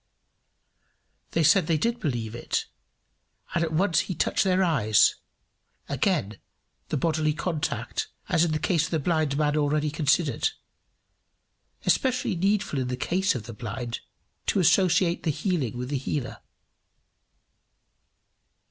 They said they did believe it, and at once he touched their eyes again the bodily contact, as in the case of the blind man already considered especially needful in the case of the blind, to associate the healing with the healer.